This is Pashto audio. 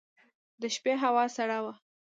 د شپې هوا سړه وه.